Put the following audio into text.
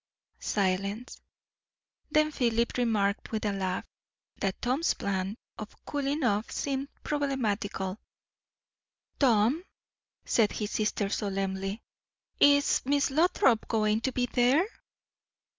Silence. Then Philip remarked with a laugh, that Tom's plan of "cooling off" seemed problematical. "Tom," said his sister solemnly, "is Miss Lothrop going to be there?"